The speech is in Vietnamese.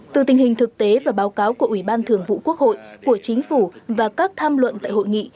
từ tình hình thực tế và báo cáo của ủy ban thường vụ quốc hội của chính phủ và các tham luận tại hội nghị